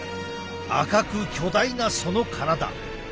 赤く巨大なその体。